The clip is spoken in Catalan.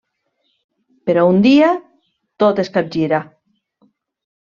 Però un dia, tot es capgira.